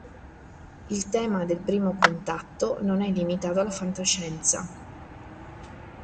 Il tema del primo contatto non è limitato alla fantascienza.